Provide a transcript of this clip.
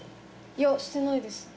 いやしてないです